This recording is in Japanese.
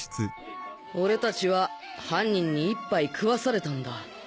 俺たちは犯人に一杯食わされたんだ。